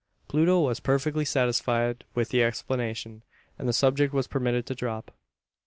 Pluto was perfectly satisfied with the explanation, and the subject was permitted to drop.